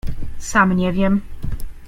Sam nie wiem.